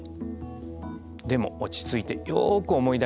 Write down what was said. でも落ち着いてよく思い出してみよう。